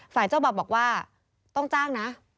ฝ่ายเจ้าบ่าวบอกว่าต้องจ้างนะ